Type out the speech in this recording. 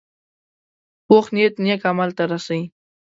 پوخ نیت نیک عمل ته رسي